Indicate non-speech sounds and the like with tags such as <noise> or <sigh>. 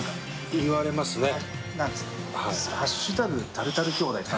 「タルタル兄弟」 <laughs>